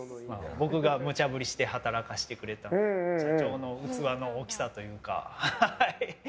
僕がむちゃ振りして働かせてくれた社長の器の大きさというか。